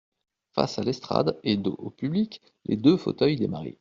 Face à l’estrade, et dos au public, les deux fauteuils des mariés.